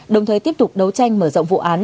đồng thời tiếp tục đấu tranh mở rộng vụ án